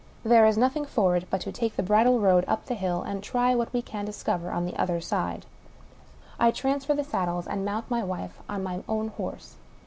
There is nothing for it but to take the bridle road up the hill, and try what we can discover on. ^ the other side. I transfer the saddles, and mount my wife on my own horse.